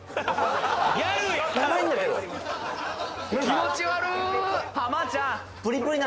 気持ち悪ー！